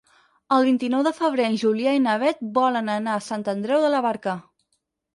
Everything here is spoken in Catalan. El vint-i-nou de febrer en Julià i na Beth volen anar a Sant Andreu de la Barca.